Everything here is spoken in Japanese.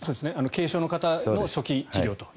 軽症の方の初期治療と。